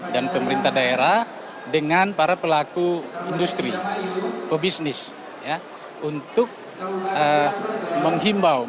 dan pemerintah daerah dengan para pelaku industri pebisnis ya untuk menghimbau mereka